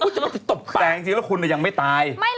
แต่อย่างนี้คุณยังไม่ตาย